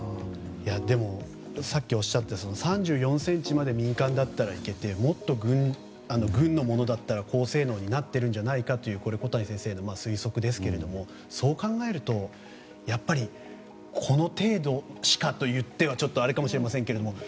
でも、さっきおっしゃった３４ｃｍまで民間だったらいけてもっと、軍のものだったら高性能になっているんじゃないかという小谷先生の推測ですけれどもそう考えると、やっぱりこの程度しかと言ってはちょっとあれかもしれませんけれども。